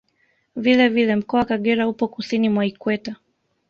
Vile vile Mkoa wa Kagera upo Kusini mwa Ikweta